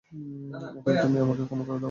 অতএব, তুমি আমাকে ক্ষমা করে দাও।